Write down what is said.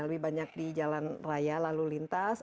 lebih banyak di jalan raya lalu lintas